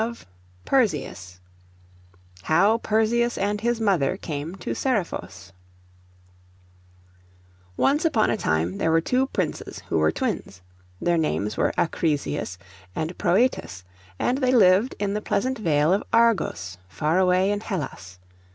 —PERSEUS PART I HOW PERSEUS AND HIS MOTHER CAME TO SERIPHOS Once upon a time there were two princes who were twins. Their names were Acrisius and Prœtus, and they lived in the pleasant vale of Argos, far away in Hellas.